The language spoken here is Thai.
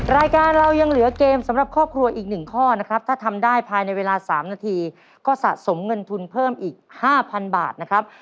รายการเรายังเหลือเกมสำหรับครอบครัวอีก๑ข้อนะครับถ้าทำได้ภายในเวลา๓นาทีก็สะสมเงินทุนเพิ่มอีก๕๐๐บาทนะครับ